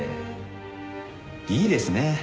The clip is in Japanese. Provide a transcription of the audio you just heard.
いいですね。